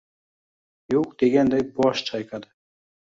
yo‘q deganday bosh chayqadi